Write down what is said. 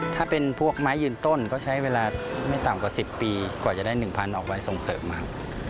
ถ้าเป็นพวกไม้ยืนต้นก็ใช้เวลาไม่ต่ำกว่า๑๐ปีกว่าจะได้๑๐๐ออกไปส่งเสริมครับ